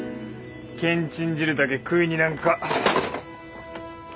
けんちん汁だけ食いになんか。